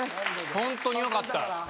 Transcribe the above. ホントによかった。